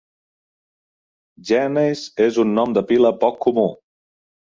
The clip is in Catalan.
Janes es un nom de pila poc comú.